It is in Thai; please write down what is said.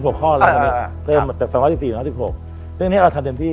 ๒๑๖ข้อแล้วแต่๒๑๔๒๑๖เรื่องนี้เราทำเต็มที่